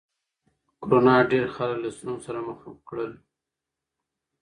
کرونا ډېر خلک له ستونزو سره مخ کړل.